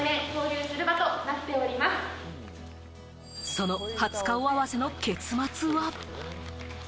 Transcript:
その初顔合わせの結末は？